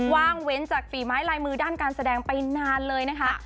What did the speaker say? ว่างเว้นจากฝีไม้ลายมือด้านการแสดงไปนานเลยนะคะ